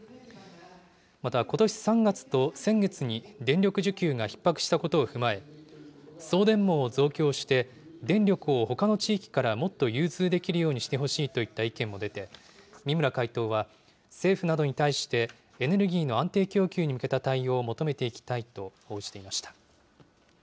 また、ことし３月と先月に電力需給がひっ迫したことを踏まえ、送電網を増強して、電力をほかの地域からもっと融通できるようにしてほしいといった意見も出て、三村会頭は政府などに対して、エネルギーの安定供給に向けた対応を求めていきたいと応じていました。